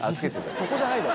そこじゃないだろ。